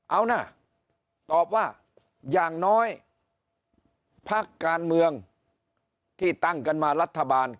เอานะตอบว่าอย่างน้อยพักการเมืองที่ตั้งกันมารัฐบาล